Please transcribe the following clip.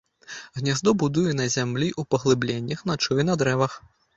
Гняздо будуе на зямлі ў паглыбленнях, начуе на дрэвах.